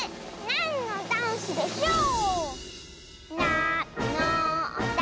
「なんのダンスでしょう」